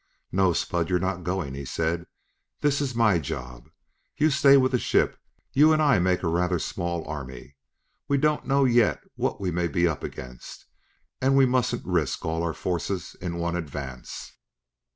"No, Spud, you're not going," he said. "This is my job. You'll stay with the ship. You and I make a rather small army: we don't know yet what we may be up against, and we mustn't risk all our forces in one advance.